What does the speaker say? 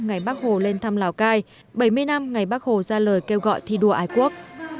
ngày bắc hồ lên thăm lào cai bảy mươi năm ngày bắc hồ gian lời kêu gọi thi đua ái quốc